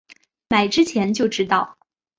买之前就知道